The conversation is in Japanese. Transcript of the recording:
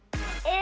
え。